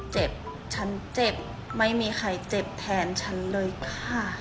เจ็บฉันเจ็บไม่มีใครเจ็บแทนฉันเลยค่ะ